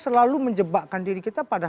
selalu menjebakkan diri kita pada